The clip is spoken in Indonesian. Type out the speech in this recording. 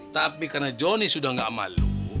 tapi karena jonny sudah nggak malu